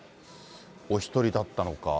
お１人だったのか。